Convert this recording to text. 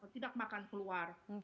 tidak makan keluar